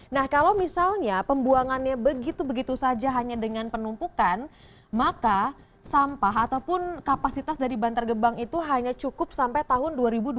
nah kalau misalnya pembuangannya begitu begitu saja hanya dengan penumpukan maka sampah ataupun kapasitas dari bantar gebang itu hanya cukup sampai tahun dua ribu dua puluh